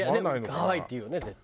「可愛い」って言うよね絶対。